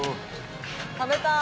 食べたい！